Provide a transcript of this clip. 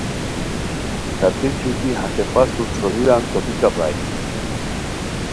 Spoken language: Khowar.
ݰاپیک ژوتی ہتے پستو ݯھوریران څوپیکہ پرائے